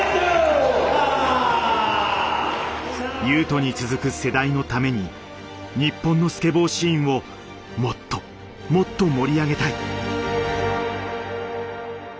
雄斗に続く世代のために日本のスケボーシーンをもっともっと盛り上げたい。